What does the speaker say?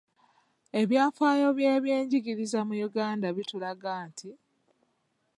Ebyafaayo by’ebyenjigiriza mu Uganda bitulaga nti,